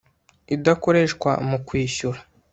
idakoreshwa mu kwishyura